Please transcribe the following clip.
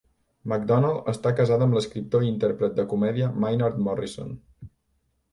MacDonald està casada amb l'escriptor i intèrpret de comèdia Maynard Morrison.